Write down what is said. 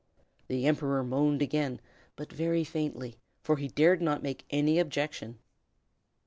The Emperor moaned again, but very faintly, for he dared not make any objection.